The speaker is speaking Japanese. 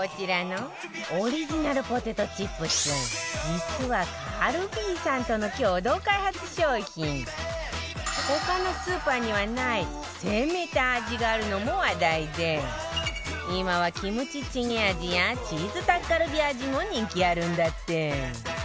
実はカルビーさんとの共同開発商品他のスーパーにはない攻めた味があるのも話題で今はキムチチゲ味やチーズタッカルビ味も人気あるんだって